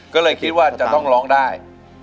ก็เลยคิดว่าจะต้องร้องได้